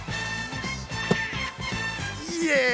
イエイ！